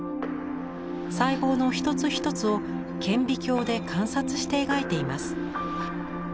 細胞の一つ一つを顕微鏡で観察して描いています。